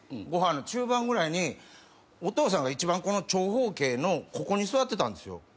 ご飯の中盤ぐらいにお父さんが一番長方形のここに座ってたんですよ。